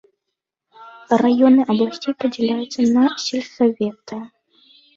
Раёны абласцей падзяляюцца на сельсаветы.